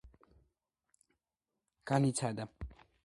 განიცადა კუბიზმის გავლენა.